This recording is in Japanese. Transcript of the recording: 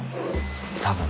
多分。